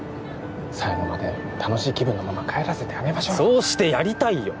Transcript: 最後まで楽しい気分のまま帰らせてあげましょうそうしてやりたいよ！